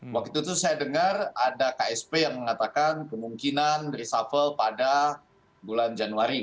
waktu itu saya dengar ada ksp yang mengatakan kemungkinan reshuffle pada bulan januari